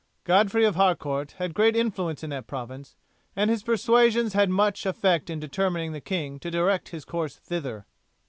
Godfrey of Harcourt had great influence in that province, and his persuasions had much effect in determining the king to direct his course thither.